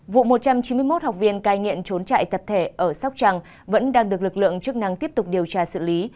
vụ một trăm chín mươi một học viên cai nghiện trốn chạy tập thể ở sóc trăng vẫn đang được lực lượng chức năng tiếp tục điều tra xử lý